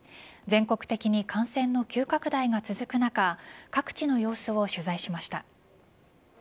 全国的に感染の急拡大が続く中各地の様子を取材しました。